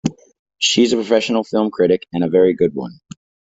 She's a professional film critic, and a very good one.